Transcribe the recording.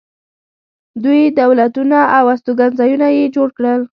دوی دولتونه او استوګنځایونه یې جوړ کړل